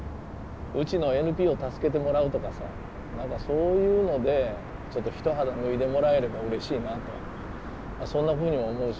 うちのＮＰＯ助けてもらうとかさなんかそういうのでちょっと一肌脱いでもらえればうれしいなとそんなふうにも思うし。